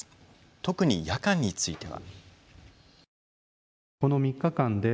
特に夜間については。